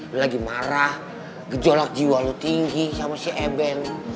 lo lagi marah gejolak jiwa lo tinggi sama si eben